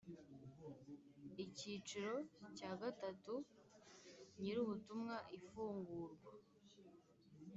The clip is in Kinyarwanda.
icyiciro cya gatatu nyirubutumwa ifungurwa